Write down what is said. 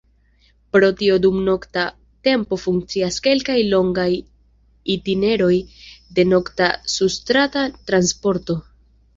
Pro tio dum nokta tempo funkcias kelkaj longaj itineroj de nokta surstrata transporto.